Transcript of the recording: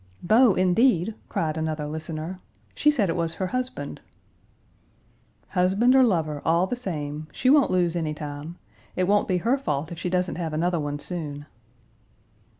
"Beau, indeed!" cried another listener, "she said it was her husband." "Husband or lover, all the same. She won't lose any time. It won't be her fault if she doesn't have another one soon."